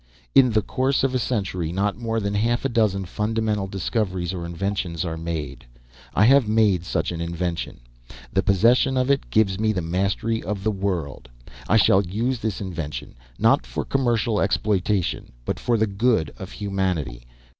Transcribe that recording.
In the course of a century not more than half a dozen fundamental discoveries or inventions are made. I have made such an invention. The possession of it gives me the mastery of the world. I shall use this invention, not for commercial exploitation, but for the good of humanity.